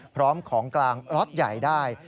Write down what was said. พร้อมของกลางล็อตใหญ่ได้